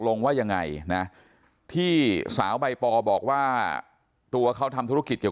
ลงว่ายังไงนะที่สาวใบปอบอกว่าตัวเขาทำธุรกิจเกี่ยว